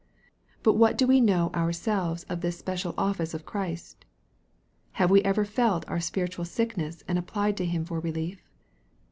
But what do we know ourselves of this special office of Christ ? Have we ever felt our spiritual sickness and applied to him for relief